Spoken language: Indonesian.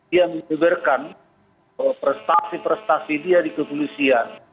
dia menyeberkan prestasi prestasi dia di kepolisian